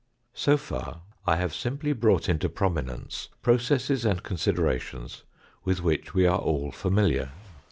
So far I have simply brought into prominence processes and considerations with which we are all familiar.